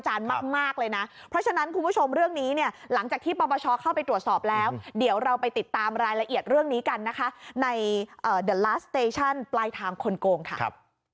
โอ้โหมันกลายเป็นกระแสวิภาควิจารณ์มากเลยนะ